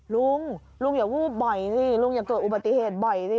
ลุงลุงอย่าวูบบ่อยสิลุงอย่าเกิดอุบัติเหตุบ่อยสิ